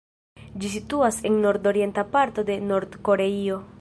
Ĝi situas en nord-orienta parto de Nord-Koreio.